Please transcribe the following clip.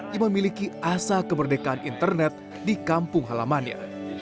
yang memiliki asa kemerdekaan internet di kampung halamannya